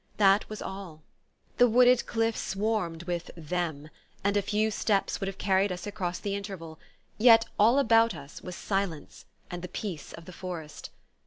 That was all. The wooded cliff swarmed with "them," and a few steps would have carried us across the interval; yet all about us was silence, and the peace of the forest.